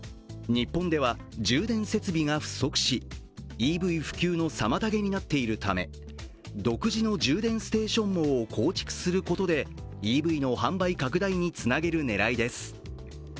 日本では重電設備が不足し、ＥＶ普及の妨げになっているため、独自の充電ステーション網を構築することでＥＶの販売拡大につなげる狙いです。